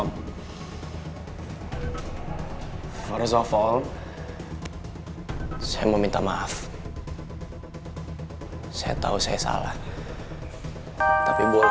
om first of all saya mau minta maaf saya tahu saya salah tapi boleh